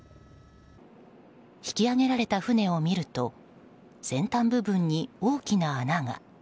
引き揚げられた船を見ると先端部分に大きな穴が。